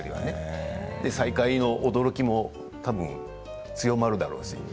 再会の驚きもたぶん強まるだろうし。